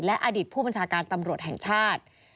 และอดีตผู้บัญชาการตำรวจแห่งชาติ